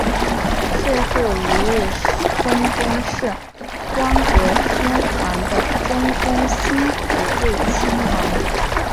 最后一位中宫是光格天皇的中宫欣子内亲王。